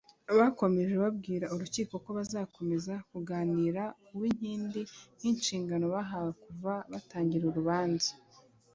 Bakomeje babwira Urukiko ko bazakomeza kunganira Uwinkindi nk’inshingano bahawe kuva batangira urubanza